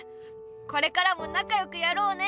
これからもなかよくやろうね。